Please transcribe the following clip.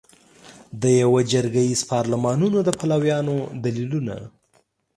د یوه جرګه ایز پارلمانونو د پلویانو دلیلونه